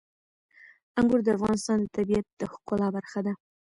انګور د افغانستان د طبیعت د ښکلا برخه ده.